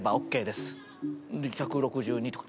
で１６２とか。